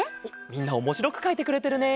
みんなおもしろくかいてくれてるね。